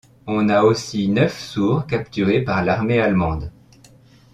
On a aussi neuf sourds capturés par l'armée allemande.